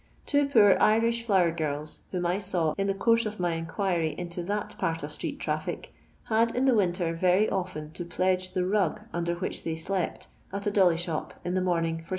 Two poor Irish flower girls, whom I saw in the course of my inquiry into that part of street tntfHc, had in the winter very often to pledge the rug nnder which they slept at a dolly shop in the morning for 6